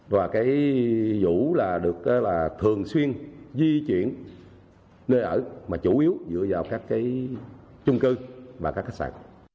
và vũ được thường xuyên di chuyển nơi ở mà chủ yếu giữa các trung cư và các khách sạn